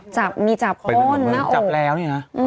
จับมีจับโฆ่นจับแล้วเนี่ย